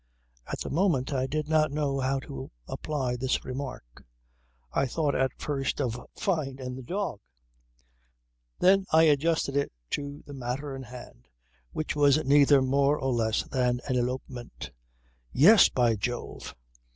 At the moment I did not know how to apply this remark. I thought at first of Fyne and the dog. Then I adjusted it to the matter in hand which was neither more nor less than an elopement. Yes, by Jove!